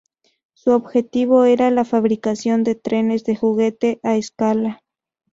Su objetivo era la fabricación de trenes de juguete a escala.